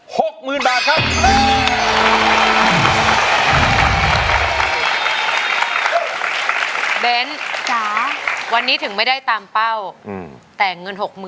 หกหมื่นบาทครับ